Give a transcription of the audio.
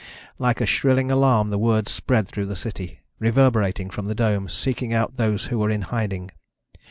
Like a shrilling alarm the words spread through the city, reverberating from the dome, seeking out those who were in hiding.